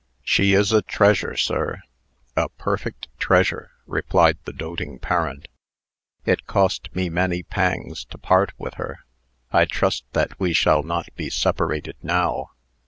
"She is a treasure, sir a perfect treasure!" replied the doting parent. "It cost me many pangs to part with her. I trust that we shall not be separated now.